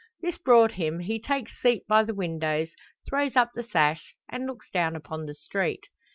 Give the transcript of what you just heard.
This brought him, he takes seat by the window, throws up the sash, and looks down upon the street.